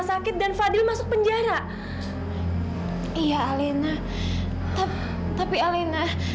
kak fadil gak sengaja alina